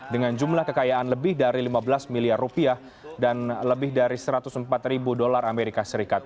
dengan jumlah kekayaan lebih dari lima belas miliar rupiah dan lebih dari satu ratus empat ribu dolar amerika serikat